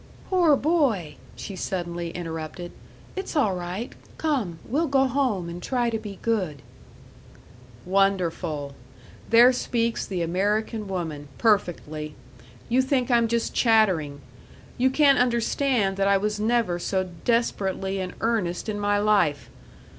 "Poor boy!" she suddenly interrupted; "it's all right. Come, we'll go home and try to be good." "Wonderful! There speaks the American woman, perfectly. You think I'm just chattering. You can't understand that I was never so desperately in earnest in my life.